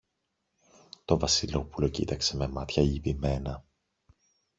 Το Βασιλόπουλο κοίταξε με μάτια λυπημένα